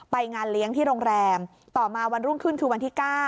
งานเลี้ยงที่โรงแรมต่อมาวันรุ่งขึ้นคือวันที่๙